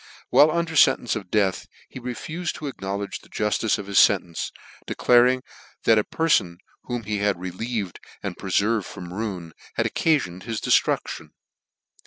While under fentence of death he refufed to ac knowledge the juftice of his fentence, declaring that a perfon whom he had relieved, and pre ferved from ruin, had occafiond his cieftruclion.